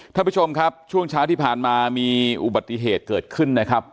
ท่านผู้ชมครับช่วงเช้าที่ผ่านมามีอุบัติเหตุเกิดขึ้นนะครับ